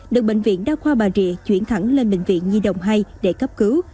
được bệnh viện đa khoa bà rịa chuyển thẳng lên bệnh viện nhi đồng hai để cấp cứu